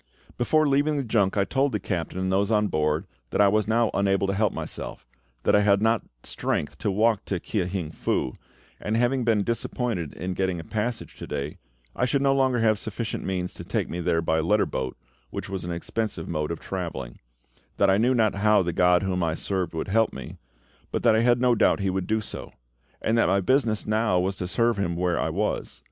Before leaving the junk I told the captain and those on board that I was now unable to help myself; that I had not strength to walk to Kia hing Fu, and having been disappointed in getting a passage to day, I should no longer have sufficient means to take me there by letter boat, which was an expensive mode of travelling; that I knew not how the GOD whom I served would help me, but that I had no doubt He would do so; and that my business now was to serve Him where I was.